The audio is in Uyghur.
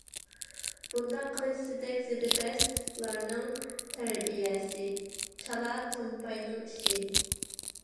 بۇنداق قىلىش سىزدەك زىدىپەس تىپلارنىڭ، تەربىيەسى چالا تومپاينىڭ ئىشى.